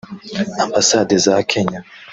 Ambasade za Kenya